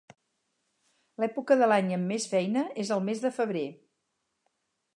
L'època de l'any amb més feina és el mes de febrer.